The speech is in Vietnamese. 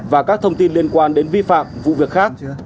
và các thông tin liên quan đến vi phạm vụ việc khác